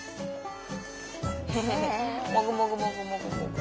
もぐもぐもぐもぐ。